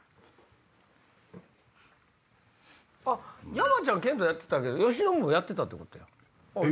山ちゃん剣道やってたけど喜伸もやってたってことや。